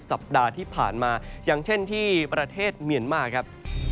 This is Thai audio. สัปดาห์ที่ผ่านมาอย่างเช่นที่ประเทศเมียนมาครับ